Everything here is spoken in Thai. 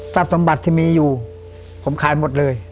สมบัติที่มีอยู่ผมขายหมดเลย